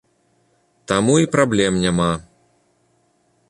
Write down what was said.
Таму і праблем няма.